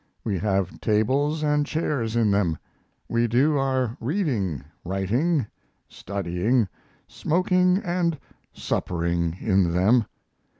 We have tables and chairs in them; we do our reading, writing, studying, smoking, and suppering in them....